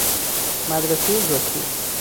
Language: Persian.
مدرسه ذکور